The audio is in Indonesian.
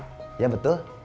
bisa kita bicara sebentar